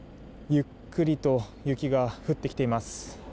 ゆっくりと雪が降ってきています。